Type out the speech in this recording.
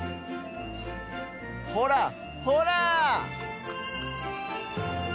ほらほら！